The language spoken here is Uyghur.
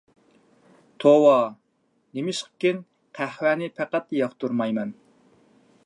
توۋا، نېمىشقىكىن قەھۋەنى پەقەتلا ياقتۇرمايمەن.